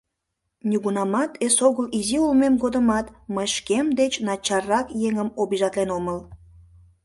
Нигунамат, эсогыл изи улмем годымат, мый шкем деч начаррак еҥым обижатлен омыл.